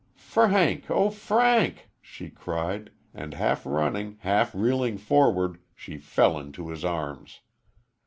"Frank! Oh, Frank!" she cried, and half running, half reeling forward, she fell into his arms.